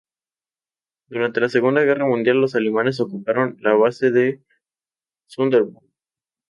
Durante la Segunda Guerra Mundial, los alemanes ocuparon la base naval de Sønderborg.